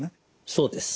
そうです。